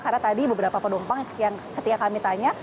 karena tadi beberapa penumpang yang ketika kami tanya